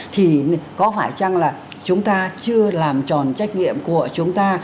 thì có phải chăng là chúng ta chưa làm tròn trách nhiệm của chúng ta